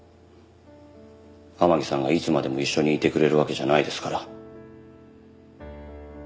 天樹さんがいつまでも一緒にいてくれるわけじゃないですから。